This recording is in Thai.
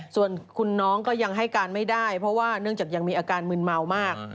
ส่วนคุณน้องก็ยังให้การไม่ได้เพราะว่าเนื่องจากยังมีอาการมืนเมามาก